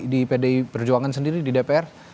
di pdi perjuangan sendiri di dpr